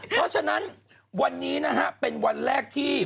เพราะฉะนั้นวันนี้นะฮะเป็นวันแรกที่